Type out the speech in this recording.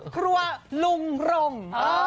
ครัวลุงรง